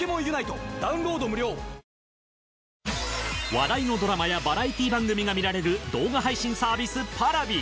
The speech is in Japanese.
話題のドラマやバラエティ番組が見られる動画配信サービスＰａｒａｖｉ。